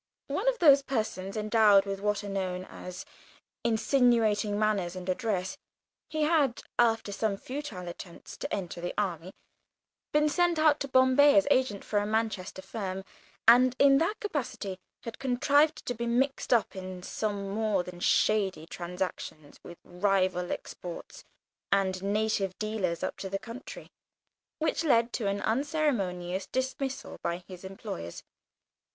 One of those persons endowed with what are known as "insinuating manners and address," he had, after some futile attempts to enter the army, been sent out to Bombay as agent for a Manchester firm, and in that capacity had contrived to be mixed up in some more than shady transactions with rival exporters and native dealers up the country, which led to an unceremonious dismissal by his employers.